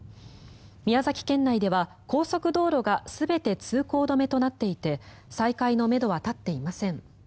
宮崎県内では高速道路が全て通行止めとなっていて再開のめどは立っていません。